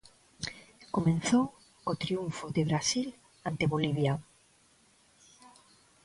Comezou co triunfo de Brasil ante Bolivia.